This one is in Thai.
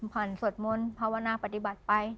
สวดมนต์ภาวนาปฏิบัติไป